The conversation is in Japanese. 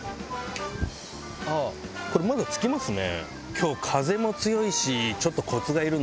これまだ付きますね。